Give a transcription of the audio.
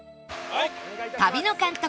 旅の監督